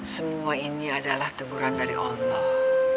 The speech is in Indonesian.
semua ini adalah teguran dari allah